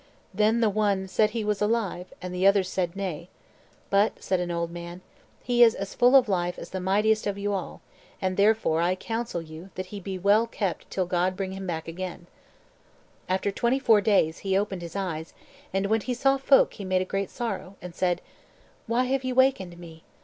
Then the one said he was alive, and the others said nay. But said an old man, "He is as full of life as the mightiest of you all, and therefore I counsel you that he be well kept till God bring him back again." And after twenty four days he opened his eyes; and when he saw folk he made great sorrow, and said, "Why have ye wakened me?